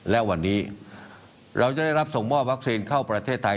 และวันนี้เราจะได้รับส่งมอบวัคซีนเข้าประเทศไทย